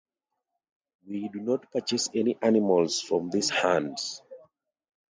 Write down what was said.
We do not purchase any animals from these hunts.